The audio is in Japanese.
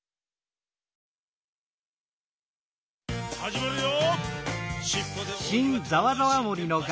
「はじまるよ！」